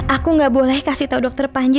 aku gak boleh kasih tahu dokter panji